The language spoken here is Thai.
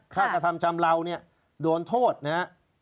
ถ้ากระทำชำเลาเนี่ยโดนโทษนะฮะ